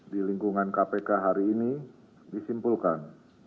di lingkungan kpk hari ini disimpulkan